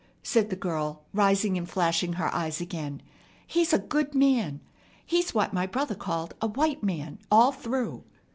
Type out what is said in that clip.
said the girl, rising and flashing her eyes again. "He's a good man. He's what my brother called 'a white man all through.'